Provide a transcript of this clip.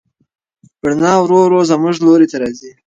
رڼا ورو ورو زموږ لوري ته راځي.